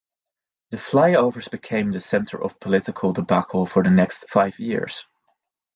The flyovers became the centre of political debacle for the next five years.